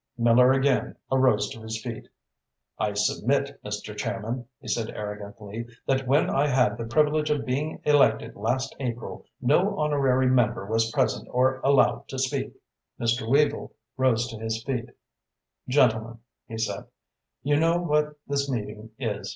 Miller again arose to his feet. "I submit, Mr. Chairman," he said arrogantly, "that when I had the privilege of being elected last April, no honorary member was present or allowed to speak." Mr. Weavel rose to his feet. "Gentlemen," he said, "you know what this meeting is.